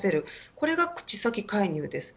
これが口先介入です。